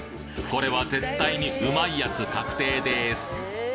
これは絶対にうまいやつ確定です